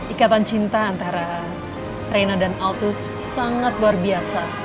ikatan cinta antara reina dan altus sangat luar biasa